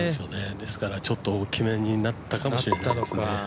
ですから大きめになったかもしれないですね。